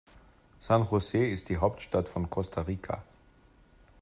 San José ist die Hauptstadt von Costa Rica.